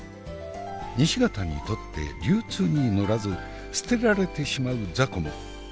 西潟にとって流通に乗らず捨てられてしまう雑魚も雑魚ではない。